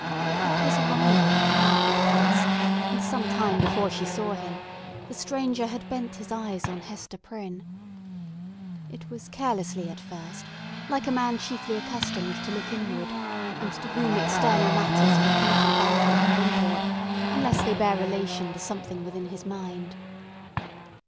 At his arrival in the market place, and some time before she saw him, the stranger had bent his eyes on Hester Prynne. It was carelessly at first, like a man chiefly accustomed to look inward, and to whom external matters are of little value and import, unless they bear relation to something within his mind.